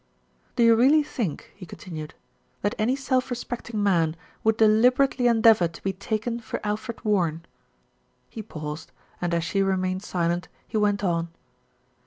"Do you really think," he continued, "that any self respecting man would deliberately endeavour to be taken for Alfred Warren?" He paused, and as she remained silent he went on.